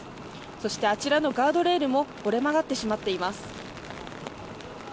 そして、あちらのガードレールも折れ曲がってしまっています。